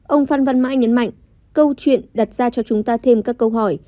ông phan văn mãi nhấn mạnh câu chuyện đặt ra cho chúng ta thêm các câu hỏi